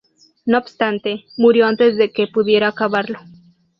No obstante, murió antes de que pudiera acabarlo.